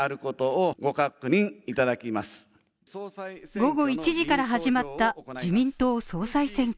午後１時から始まった自民党総裁選挙。